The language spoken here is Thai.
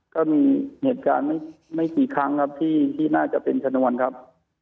ก็มีเหตุการณ์ไม่กี่ครั้งครับที่น่าจะเป็นชนวนครับ